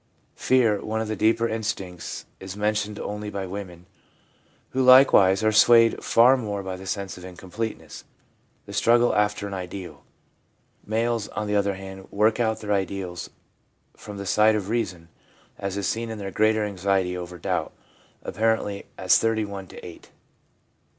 Fear, one of the deeper instincts, is men tioned only by women, who likewise are swayed far more by the sense of incompleteness, the struggle after an ideal. Males, on the other hand, work out their ideals from the side of reason, as is seen in their greater anxiety over doubt — apparently as 31 to 8.